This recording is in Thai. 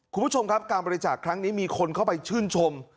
คุณผู้ชมครับการบริจาคครั้งนี้มีคนเข้าไปชื่นชม